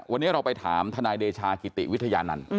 วันนี้เราไปถามทนายเดชากิติวิทยานันต์